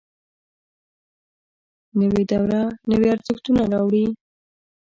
نوې دوره نوي ارزښتونه راوړي